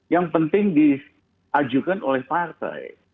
yang penting diajukan oleh partai